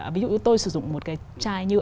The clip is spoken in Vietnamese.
ví dụ tôi sử dụng một cái chai nhựa